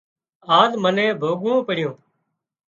آز منين ڀوڳوون پڙيُون